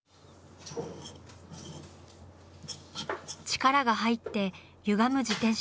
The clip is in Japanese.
力が入ってゆがむ自転車。